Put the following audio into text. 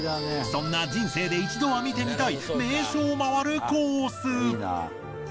そんな人生で一度は見てみたい名所をまわるコース。